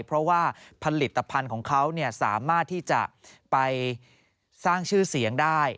เพราะว่าผลิตภัณฑ์ของเขาสามารถที่จะไปสร้างชื่อเสียงได้